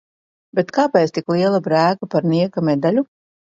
Bet kāpēc tik liela brēka par nieka medaļu?